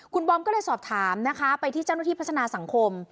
คุณบอมก็เลยสอบถามนะคะไปที่เจ้าหน้าที่พัฒนาสังคม